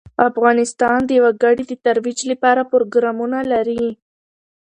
افغانستان د وګړي د ترویج لپاره پروګرامونه لري.